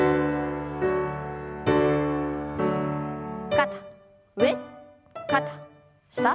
肩上肩下。